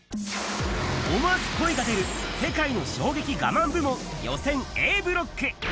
思わず声が出る、世界の衝撃我慢部門予選Ａブロック。